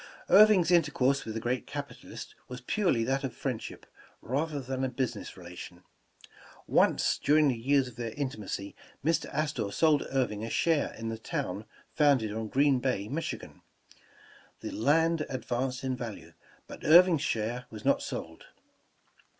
Irving 's intercourse with the great capitalist was purel}^ that of friendship, rather than a business rela tion. Once during the years of their intimacy, Mr. Astor sold Irving a share in a town founded on Green Bay, Michigan. The land advanced in value, but Irving 's share was not sold.